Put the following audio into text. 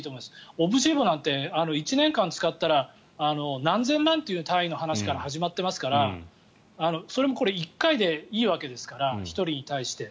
オプジーボなんて１年間使ったら何千万という単位の話から始まっていますからそれもこれ１回でいいわけですから１人に対して。